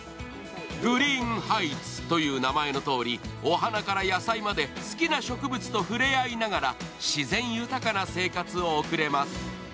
グリーンハイツという名前のとおり、お花から野菜まで好きな植物と触れ合いながら自然豊かな生活を送れます。